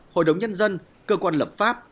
hội đồng nhân dân cơ quan lập pháp